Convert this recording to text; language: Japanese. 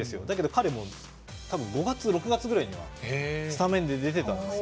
彼は５月、６月ぐらいにはスタメンで出ていました。